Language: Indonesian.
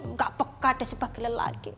nggak peka ada si pagi lelaki